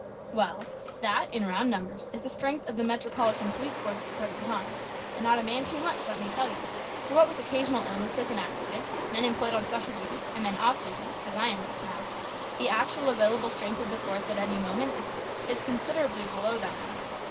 "Well, that, in round numbers, is the strength of the Metropolitan Police force at the present time and not a man too much, let me tell you, for what with occasional illnesses and accidents, men employed on special duty, and men off duty as I am just now the actual available strength of the force at any moment is considerably below that number.